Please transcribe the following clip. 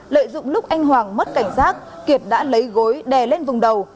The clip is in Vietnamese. lợi dụng lúc anh hoàng mất cảnh giác kiệt đã lấy gối đè lên vùng đầu